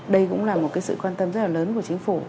đây cũng là một cái sự quan tâm rất là lớn của chính phủ